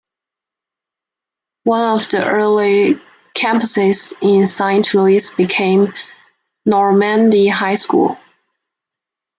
One of the early campuses in Saint Louis became Normandy High School.